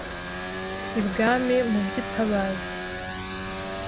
ibwami mu by’itabaza